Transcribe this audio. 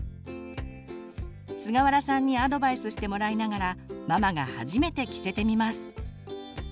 すがわらさんにアドバイスしてもらいながらママが初めて着せてみます。